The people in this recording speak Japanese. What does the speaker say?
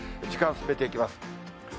時間を進めていきます。